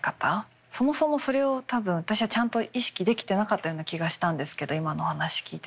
そもそもそれを多分私はちゃんと意識できてなかったような気がしたんですけど今の話聞いてて。